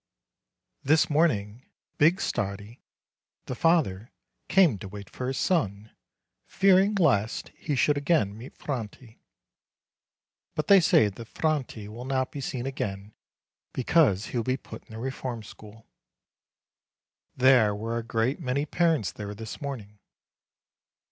This morning big Stardi, the father, came to wait for his son, fearing lest he should again meet Franti. But they say that Franti will not be seen again, because he will be put in the reform school. There were a great many parents there this morning.